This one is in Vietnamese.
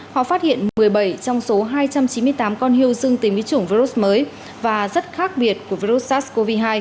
họ phát hiện một mươi bảy trong số hai trăm chín mươi tám con hu dương tính với chủng virus mới và rất khác biệt của virus sars cov hai